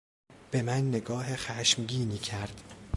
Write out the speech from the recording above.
به من نگاه خشمگینی کرد.